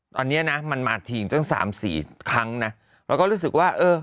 ตอนนี้นะมันมาทีมตั้งสามสี่ครั้งนะเราก็รู้สึกว่าเออ